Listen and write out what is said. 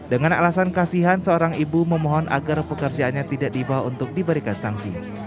dengan alasan kasihan seorang ibu memohon agar pekerjaannya tidak dibawa untuk diberikan sanksi